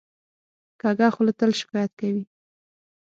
کوږه خوله تل شکایت کوي